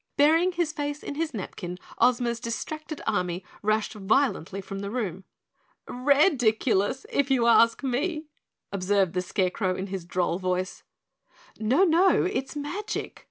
Burying his face in his napkin, Ozma's distracted army rushed violently from the room. "Red iculous, if you ask me," observed the Scarecrow in his droll voice. "No, no, it's MAGIC!"